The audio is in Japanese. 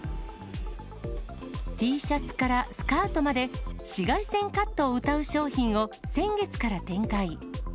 Ｔシャツからスカートまで、紫外線カットをうたう商品を先月から展開。